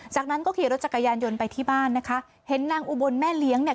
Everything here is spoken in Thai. จากนั้นก็ขี่รถจักรยานยนต์ไปที่บ้านนะคะเห็นนางอุบลแม่เลี้ยงเนี่ย